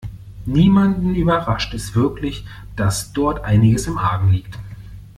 Niemanden überrascht es wirklich, dass dort einiges im Argen liegt.